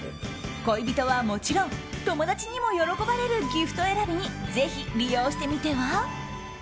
恋人はもちろん友達にも喜ばれるギフト選びにぜひ利用してみては？